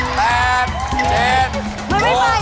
เฮ้ยเสร็จ